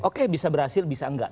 oke bisa berhasil bisa enggak